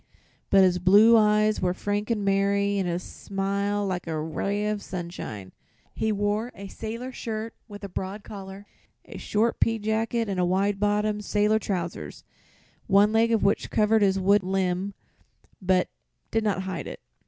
But his blue eyes were frank and merry and his smile like a ray of sunshine. He wore a sailor shirt with a broad collar, a short peajacket and wide bottomed sailor trousers, one leg of which covered his wooden limb but did not hide it.